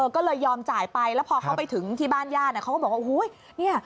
ก็เลยยอมจ่ายไปแล้วพอเขาไปถึงบ้านยาก็บอกว่า